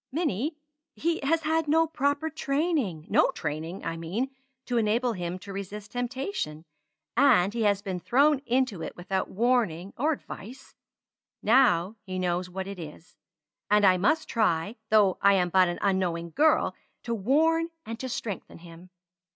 Minnie! he has had no proper training no training, I mean, to enable him to resist temptation and he has been thrown into it without warning or advice. Now he knows what it is; and I must try, though I am but an unknowing girl, to warn and to strengthen him.